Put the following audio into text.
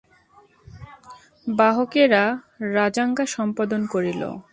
বাহকেরা রাজাজ্ঞা সম্পাদন করিল।